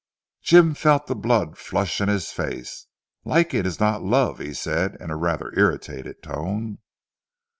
Jim felt the blood flush in his face. "Liking is not love," he said in a rather irritated tone.